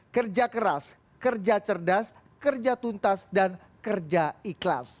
kerja keras kerja cerdas kerja tuntas dan kerja ikhlas